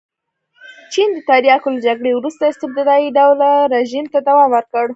چین د تریاکو له جګړې وروسته استبدادي ډوله رژیم ته دوام ورکړ.